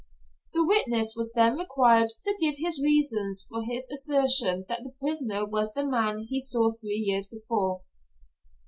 The witness was then required to give his reasons for his assertion that the prisoner was the man he saw three years before.